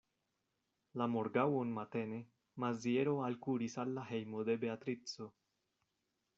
La morgaŭon matene Maziero alkuris al la hejmo de Beatrico.